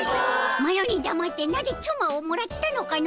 マロにだまってなぜつまをもらったのかの！